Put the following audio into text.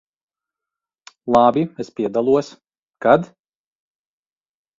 Labi, es piedalos. Kad?